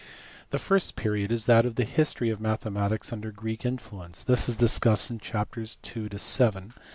The first period is that of the history of mathematics under Greek influence, this is discussed in chapters n. to vn.